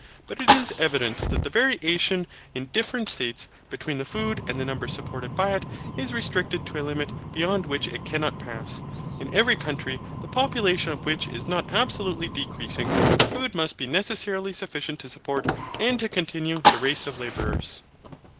But it is evident that the variation in different states, between the food and the numbers supported by it, is restricted to a limit beyond which it cannot pass. In every country, the population of which is not absolutely decreasing, the food must be necessarily sufficient to support, and to continue, the race of labourers.